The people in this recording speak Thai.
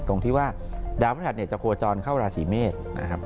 ตรงที่ว่าดาวพฤหัสเนี่ยจะโคจรเข้าราศีเมษนะครับ